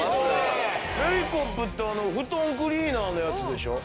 レイコップってあの布団クリーナーのやつでしょ？